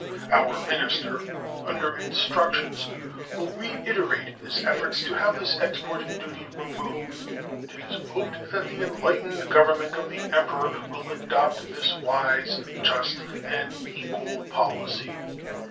Our minister, under instructions, will reiterate his efforts to have this export duty removed, and it is hoped that the enlightened Government of the Emperor will adopt this wise, just, and equal policy.